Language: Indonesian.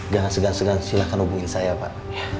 jangan segan segan silakan hubungi saya pak